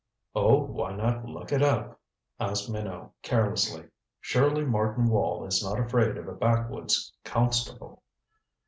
"Oh, why look it up?" asked Minot carelessly. "Surely Martin Wall is not afraid of a backwoods constable."